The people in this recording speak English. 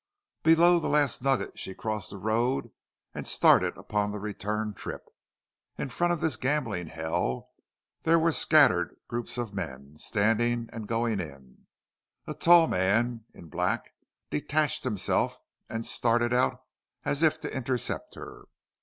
Below the Last Nugget she crossed the road and started upon the return trip. In front of this gambling hell there were scattered groups of men, standing, and going in. A tall man in black detached himself and started out, as if to intercept her.